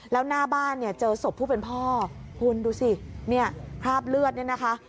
แล้วหน้าบ้านเจอศพผู้เป็นพ่อคุณดูสิภาพเลือดนี่นะคะ